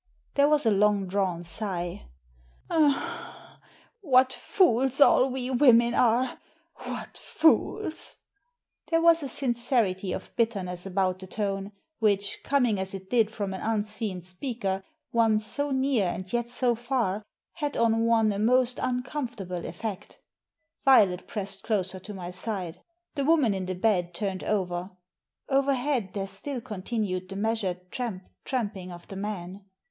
There was a long drawn sigh. '* What fools all we women are ! What fools !There was a sincerity of bitterness about the tone, which, coming as it did from an unseen speaker — one so near and yet so far — had on one a most un comfortable effect Violet pressed closer to my side. The woman in the bed turned over. Overhead there still continued the measured tramp, tramping of the man.